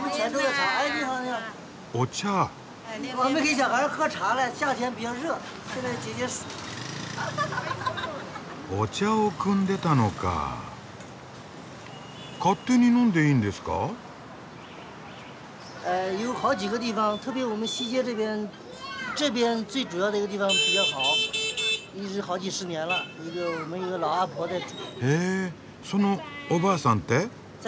そのおばあさんって？